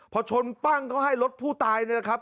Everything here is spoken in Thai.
พอชนปั้งก็ให้รถผู้ตายเลยครับ